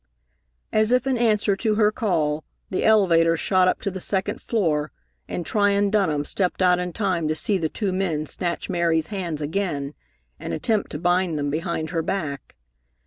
As if in answer to her call, the elevator shot up to the second floor, and Tryon Dunham stepped out in time to see the two men snatch Mary's hands again and attempt to bind them behind her back.